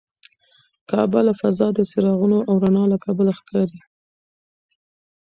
کعبه له فضا د څراغونو او رڼا له کبله ښکاري.